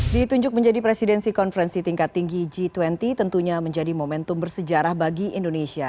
ditunjuk menjadi presidensi konferensi tingkat tinggi g dua puluh tentunya menjadi momentum bersejarah bagi indonesia